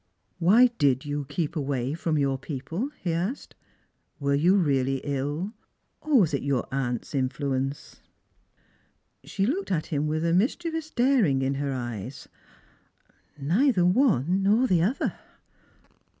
" Why did you keep away from your people ?" he asked. " Were you really ill? or was it your aunt's influence?" Slie looked at him with a mischievous daring in her eyes. "Neither one nor the other."